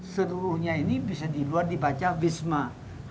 seluruhnya ini bisa di luar dibaca bisma